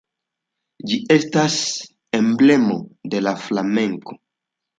Ĝi estas emblemo de la Flamenko.